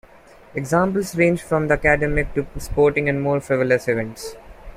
Examples range from the academic to sporting and more frivolous events.